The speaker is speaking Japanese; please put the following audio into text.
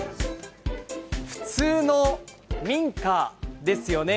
普通の民家ですよね？